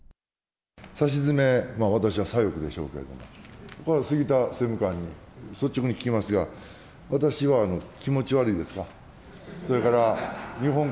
さしずめ、私は左翼でしょうけれども、これは杉田政務官に率直に聞きますが、私は気持ち悪いですか？